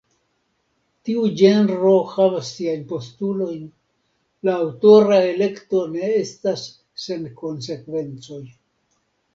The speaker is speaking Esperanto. Tiu ĝenro havas siajn postulojn: la aŭtora elekto ne estas sen konsekvencoj.